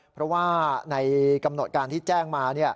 เพราะว่าในกำหนดการที่แจ้งมา